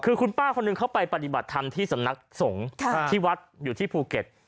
คือคุณป้าคนหนึ่งเขาไปปฏิบัติธรรมที่สำนักสงฆ์ที่วัดอยู่ที่ภูเก็ต